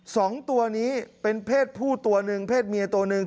สองตัวนี้เป็นเพศผู้ตัวหนึ่งเพศเมียตัวหนึ่ง